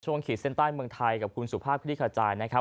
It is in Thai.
ช่วงขีดเซ็นต์ใต้เมืองไทยกับคุณสุภาพพิธีกระจายนะครับ